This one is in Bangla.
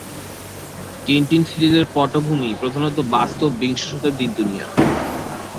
টিনটিন সিরিজের পটভূমি প্রধানত বাস্তব বিংশ শতাব্দীর দুনিয়া।